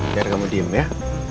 biar kamu diem ya